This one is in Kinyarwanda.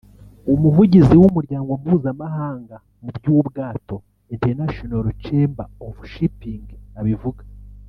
umuvugizi w’umuryango mpuzamahanga mu by’ubwato (International Chamber of Shipping) abivuga